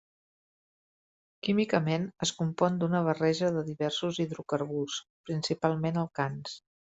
Químicament, es compon d'una barreja de diversos hidrocarburs, principalment alcans.